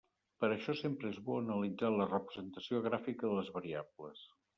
Per això sempre és bo analitzar la representació gràfica de les variables.